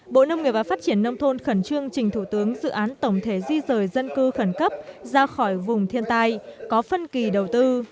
bộ nông nghiệp và phát triển nông thôn khẩn trương trình thủ tướng dự án tổng thể di rời dân cư khẩn cấp ra khỏi vùng thiên tai có phân kỳ đầu tư